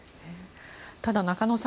ただ、中野さん